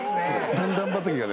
段々畑がね